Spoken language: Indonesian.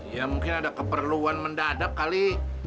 ya mungkin ada keperluan mendadak kali